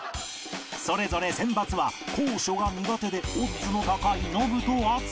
それぞれ選抜は高所が苦手でオッズの高いノブと淳